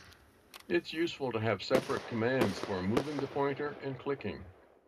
It's useful to have separate commands for moving the pointer and clicking.